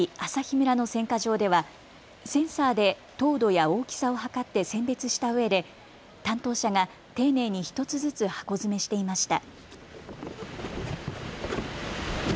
村の選果場ではセンサーで糖度や大きさを測って選別したうえで担当者が丁寧に１つずつ箱詰めしていました。